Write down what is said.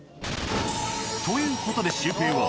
という事でシュウペイは。